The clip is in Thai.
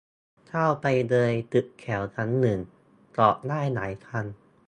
เช่าไปเลยตึกแถวชั้นหนึ่ง จอดได้หลายคัน